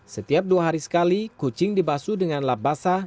setiap dua hari sekali kucing dibasu dengan lap basah